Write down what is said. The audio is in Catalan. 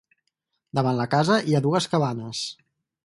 Davant la casa hi ha dues cabanes.